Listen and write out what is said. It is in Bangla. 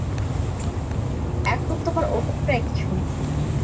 এখন তোমার অভিপ্রায় কী শুনি।